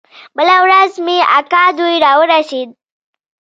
بله ورځ مې اکا دوى راورسېدل.